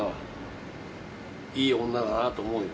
いい女だなと思うよ。